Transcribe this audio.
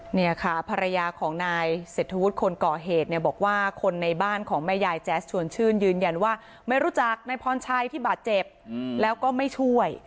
เนี่ยค่ะภรรยาของนายเศรษฐวุฒิคนก่อเหตุเนี่ยบอกว่าคนในบ้านของแม่ยายแจ๊สชวนชื่นยืนยันว่าไม่รู้จักนายพรชัยที่บาดเจ็บแล้วก็ไม่ช่วย